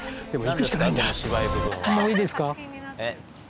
いいです